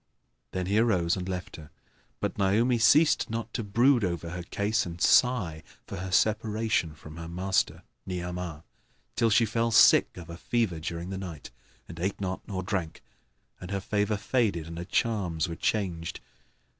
Then he arose and left her, but Naomi ceased not to brood over her case and sigh for her separation from her master, Ni'amah, till she fell sick of a fever during the night and ate not nor drank; and her favour faded and her charms were changed.